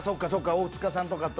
大塚さんとかと。